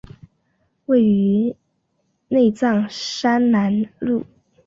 位于内藏山南麓。